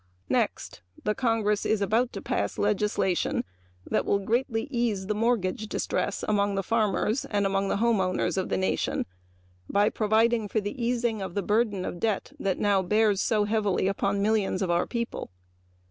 Next, the Congress is about to pass legislation that will greatly ease the mortgage distress among the farmers and the home owners of the nation, by providing for the easing of the burden of debt now bearing so heavily upon millions of our people.